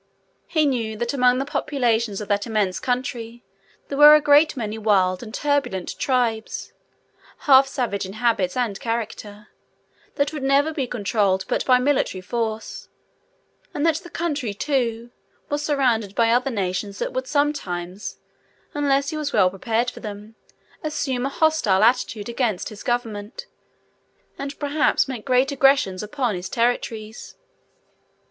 He knew that among the populations of that immense country there were a great many wild and turbulent tribes, half savage in habits and character, that would never be controlled but by military force, and that the country, too, was surrounded by other nations that would sometimes, unless he was well prepared for them, assume a hostile attitude against his government, and perhaps make great aggressions upon his territories.